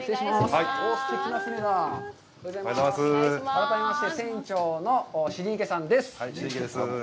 改めまして、船長の尻池さんです。